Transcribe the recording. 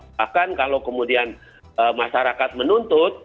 bahkan kalau kemudian masyarakat menuntut